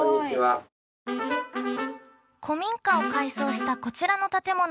古民家を改装したこちらの建物。